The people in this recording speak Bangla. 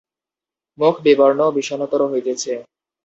মুখ বিবর্ণ ও বিষণ্নতর হইতেছে।